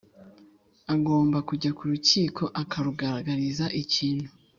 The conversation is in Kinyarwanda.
agomba kujya ku rukiko akarugaragariza ikintu